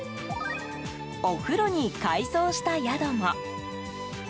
お風呂に改装した宿も。